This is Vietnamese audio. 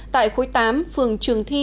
tại khối tám phường trường thi